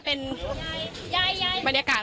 คุณค่ะ